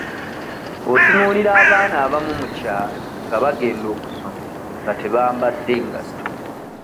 Otunuulira abaana abamu mu kyalo nga bagenda okusoma nga tebambadde ngatto.